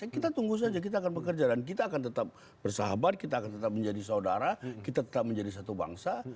kita tunggu saja kita akan bekerja dan kita akan tetap bersahabat kita akan tetap menjadi saudara kita tetap menjadi satu bangsa